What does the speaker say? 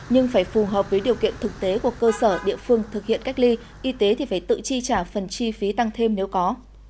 nhưng phải phù hợp với điều kiện thực tế của cơ sở địa phương thực hiện cách ly y tế thì phải tự chi trả phần chi phí tăng thêm nếu có